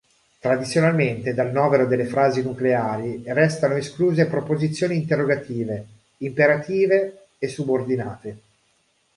Tradizionalmente, dal novero delle frasi nucleari restano escluse proposizioni interrogative, imperative e subordinate.